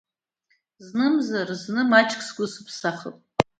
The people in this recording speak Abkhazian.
Знымзар, зны, маҷк сгәы сыԥсахп.